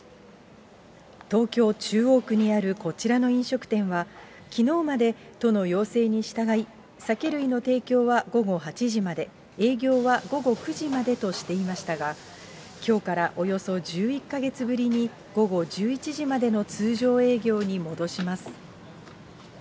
東京・中央区にあるこちらの飲食店は、きのうまで都の要請に従い、酒類の提供は午後８時まで、営業は午後９時までとしていましたが、きょうからおよそ１１か月ぶりに、午後１１時までの通常営業に戻します。